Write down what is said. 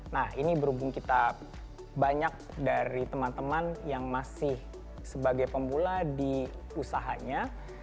nah ini berhubung kita banyak dari teman teman yang masih sebagai pemula di usahanya